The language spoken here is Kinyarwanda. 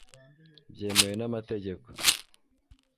byemewe n'amategeko